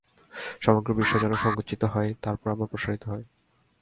সমগ্র বিশ্ব যেন সঙ্কুচিত হয়, তারপর আবার প্রসারিত হয়।